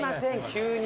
急に。